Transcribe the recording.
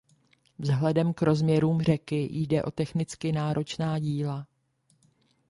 Vzhledem k rozměrům řeky jde o technicky náročná díla.